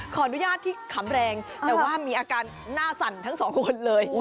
ขออนุญาตที่ขำแรงแต่ว่ามีอาการหน้าสั่นทั้งสองคนเลย